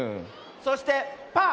そしてパー。